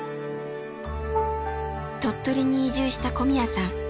鳥取に移住した小宮さん。